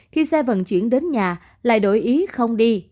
khi xe vận chuyển đến nhà lại đổi ý không đi